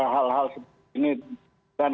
hal hal seperti ini dan